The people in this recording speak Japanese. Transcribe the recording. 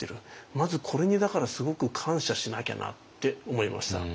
まずこれにだからすごく感謝しなきゃなって思いました。